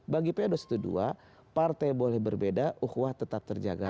bagi pa dua ratus dua belas partai boleh berbeda uhwa tetap terjaga